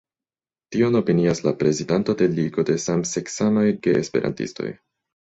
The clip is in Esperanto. Tion opinias la prezidanto de Ligo de Samseksamaj Geesperantistoj.